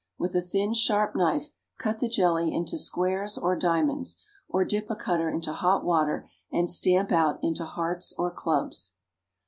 With a thin, sharp knife cut the jelly into squares or diamonds, or dip a cutter into hot water and stamp out into hearts or clubs.